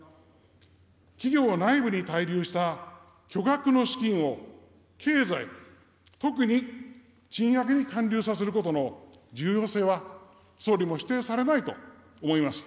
企業内部に滞留した巨額の資金を経済、特に賃上げに還流させることの重要性は、総理も否定されないと思います。